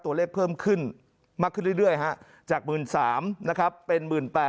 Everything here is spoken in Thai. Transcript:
ตัวเลขเพิ่มขึ้นมากขึ้นเรื่อยจาก๑๓๐๐นะครับเป็น๑๘๐๐